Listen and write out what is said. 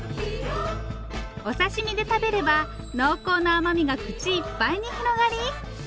お刺身で食べれば濃厚な甘みが口いっぱいに広がり。